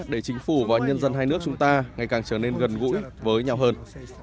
để chính phủ và nhân dân hai nước chúng ta ngày càng trở nên gần gũi với nhau hơn